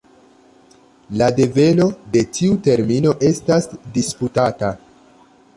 La deveno de tiu termino estas disputata.